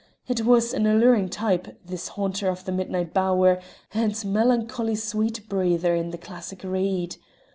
It was an alluring type, this haunter of the midnight bower, and melancholy sweet breather in the classic reed.